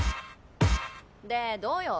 でどうよ？